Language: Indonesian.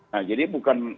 nah jadi bukan